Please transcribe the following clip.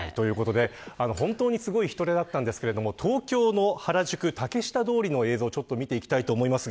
本当にすごい人出だったんですが東京の原宿、竹下通りの映像を見ていただきたいと思います。